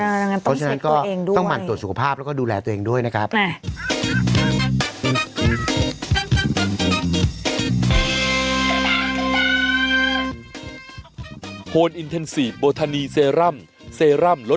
เพราะฉะนั้นก็ต้องหั่นตรวจสุขภาพแล้วก็ดูแลตัวเองด้วยนะครับ